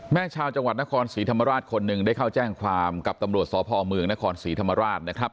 ชาวจังหวัดนครศรีธรรมราชคนหนึ่งได้เข้าแจ้งความกับตำรวจสพเมืองนครศรีธรรมราชนะครับ